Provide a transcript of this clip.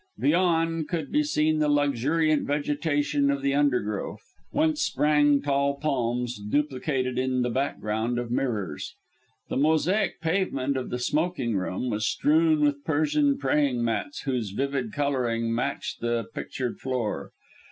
Beyond could be seen the luxuriant vegetation of the undergrowth, whence sprang tall palms, duplicated in the background of mirrors. The mosaic pavement of the smoking room was strewn with Persian praying mats, whose vivid colouring matched the pictured floor.